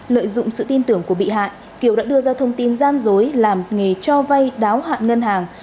lợi dụng sự tin tưởng của bị hại kiều đã đưa ra thông tin gian dối làm nghề cho vay đáo hạn ngân hàng